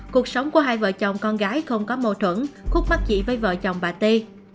cuộc sống của hai vợ chồng con gái không có mâu thuẫn khúc mắt chị với vợ chồng bà tê